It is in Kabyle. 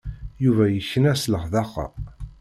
Yuba yekna s leḥdaqa.